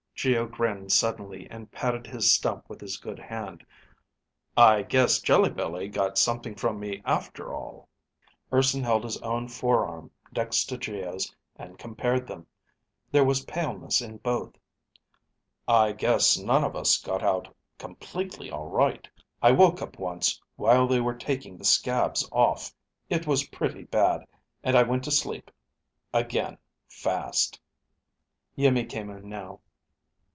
Geo grinned suddenly, and patted his stump with his good hand. "I guess jelly belly got something from me after all." Urson held his own forearm next to Geo's and compared them. There was paleness in both. "I guess none of us got out completely all right. I woke up once while they were taking the scabs off. It was pretty bad, and I went to sleep again fast." Iimmi came in now.